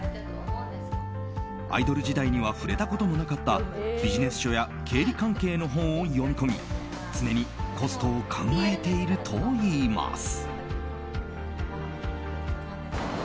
アイドル時代には触れたこともなかったビジネス書や経理関係の本を読み込み常にコストを考えているといいます。